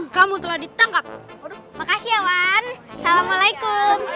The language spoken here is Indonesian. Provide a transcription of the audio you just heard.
kamu telah ditangkap makasih ya wan assalamualaikum